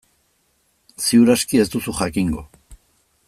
Ziur aski ez duzu jakingo.